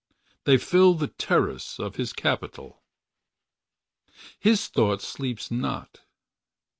They fill the terrace of his capitol . His thought sleeps not.